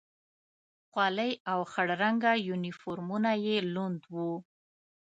خولۍ او خړ رنګه یونیفورمونه یې لوند و.